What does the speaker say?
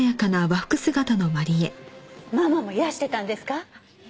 ママもいらしてたんですか？